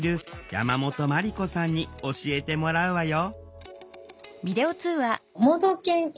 山本真理子さんに教えてもらうわよ